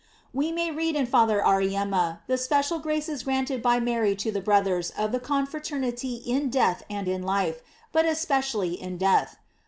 * We may read in Father Auriemma f the special graces granted by Mary to the brothers of the confraternity in life and in death, but especially in death.